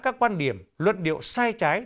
các quan điểm luận điệu sai trái